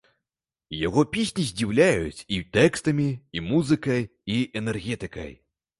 Яго песні здзіўляюць і тэкстамі, і музыкай, і энергетыкай.